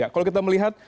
kalau kita melihat